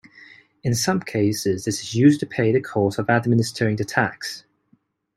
In some cases, it is used to pay the costs of administering the tax.